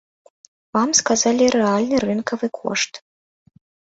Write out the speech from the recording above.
Вам сказалі рэальны рынкавы кошт.